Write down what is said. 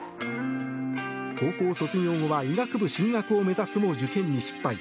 高校卒業後は医学部進学を目指すも受験に失敗。